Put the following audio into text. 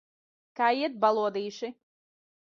Kā iet, balodīši?